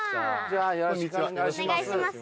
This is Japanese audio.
よろしくお願いします。